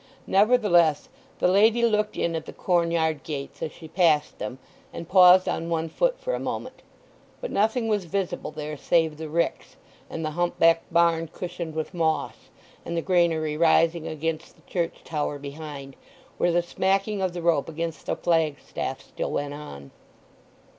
Nevertheless the lady looked in at the corn yard gates as she passed them, and paused on one foot for a moment. But nothing was visible there save the ricks, and the humpbacked barn cushioned with moss, and the granary rising against the church tower behind, where the smacking of the rope against the flag staff still went on.